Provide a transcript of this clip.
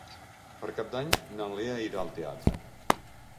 Per Cap d'Any na Lea irà al teatre.